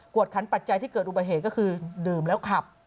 วดขันปัจจัยที่เกิดอุบัติเหตุก็คือดื่มแล้วขับ